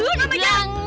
loh lo gak mau jalan